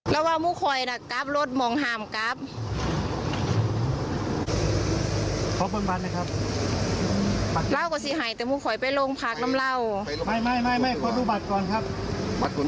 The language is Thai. โรงผักน้ำเหล้าไม่ไม่ไม่ไม่ขอดูบัตรก่อนครับบัตรของ